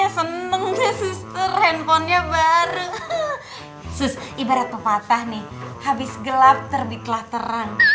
senengnya suster handphonenya baru sus ibarat pepatah nih habis gelap terbitlah terang